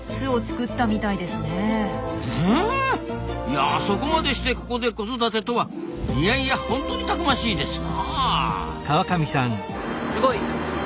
いやそこまでしてここで子育てとはいやいやホントにたくましいですなあ。